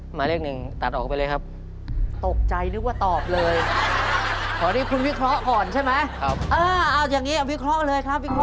หมายเรื่องหนึ่งตัดออกไปเลยครับ